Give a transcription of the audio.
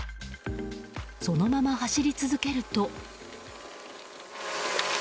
そのまま走り続けると。